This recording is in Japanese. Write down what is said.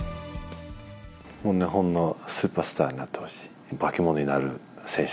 日本のスーパースターになってほしい。